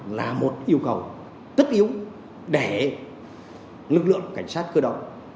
là một yêu cầu tất yếu để lực lượng cảnh sát cơ động